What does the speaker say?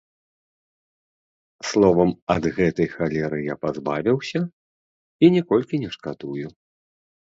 Словам, ад гэтай халеры я пазбавіўся і ніколькі не шкадую.